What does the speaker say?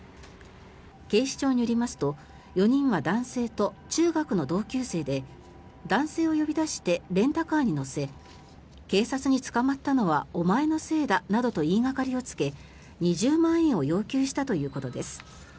警視庁によりますと４人は男性と中学の同級生で男性を呼び出してレンタカーに乗せ警察に捕まったのはお前のせいだなどと言いがかりをつけ２０万円を要求したということです。